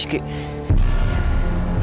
salam si rizky